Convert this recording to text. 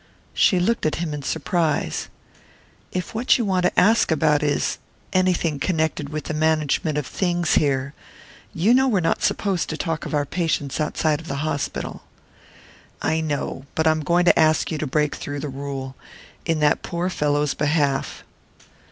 She looked at him in surprise. "If what you want to ask about is anything connected with the management of things here you know we're not supposed to talk of our patients outside of the hospital." "I know. But I am going to ask you to break through the rule in that poor fellow's behalf."